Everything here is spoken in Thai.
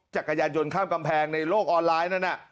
จักรยานยนต์ข้ามกำแพงในโลกออนไลน์นั้น